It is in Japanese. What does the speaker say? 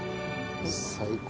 最高。